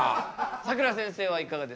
さくらせんせいはいかがですか？